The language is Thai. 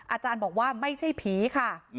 อาจารย์บอกว่าไม่ใช่ผีค่ะ